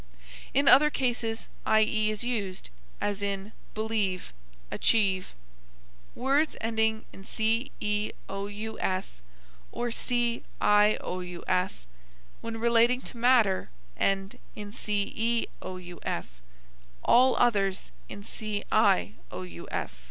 In other cases ie is used, as in believe, achieve. Words ending in ceous or cious, when relating to matter, end in ceous; all others in cious.